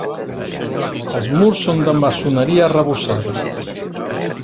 Els murs són de maçoneria arrebossada.